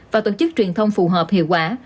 và tổ chức truyền thông phù hợp hiệu quả